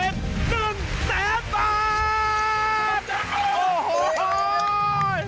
โอ้โห